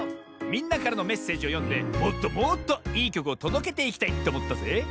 みんなからのメッセージをよんでもっともっといいきょくをとどけていきたいっておもったぜ。